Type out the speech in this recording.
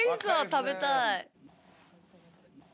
食べたい。